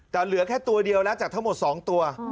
แต่เหลือแค่ตัวเดียวแล้วจากทั้งหมด๒ตัว